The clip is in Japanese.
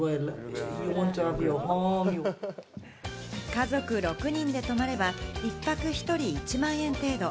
家族６人で泊まれば１泊１人１万円程度。